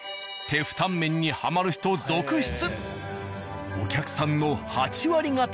テフタンメンにハマる人続出。